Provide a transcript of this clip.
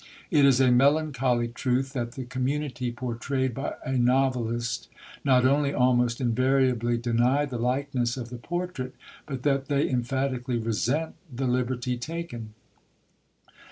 It is a melancholy truth that the community portrayed by a novelist not only almost invariably deny the likeness of the portrait, but that they emphatically resent the liberty taken.